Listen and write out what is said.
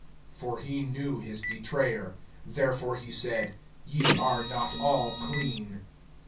(11)For he knew his betrayer; therefore he said: Ye are not all clean.